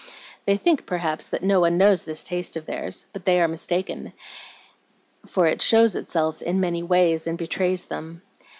They think, perhaps, that no one knows this taste of theirs; but they are mistaken, for it shows itself in many ways, and betrays them.